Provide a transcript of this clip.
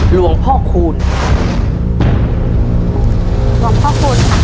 หลวงพ่อคูณครับ